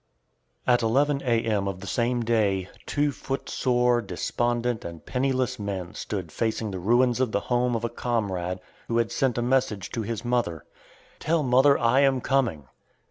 At eleven A.M. of the same day, two footsore, despondent, and penniless men stood facing the ruins of the home of a comrade who had sent a message to his mother. "Tell mother I am coming."